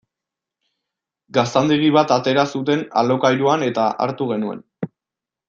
Gaztandegi bat atera zuten alokairuan eta hartu genuen.